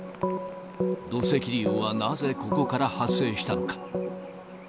土石流はなぜ、ここから発生したのか。